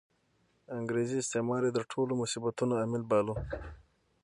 انګریزي استعمار یې د ټولو مصیبتونو عامل باله.